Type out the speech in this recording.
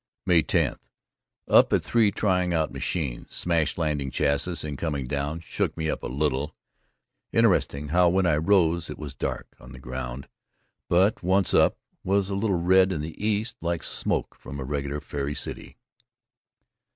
May 10: Up at three, trying out machine. Smashed landing chassis in coming down, shook me up a little. Interesting how when I rose it was dark on the ground but once up was a little red in the east like smoke from a regular fairy city.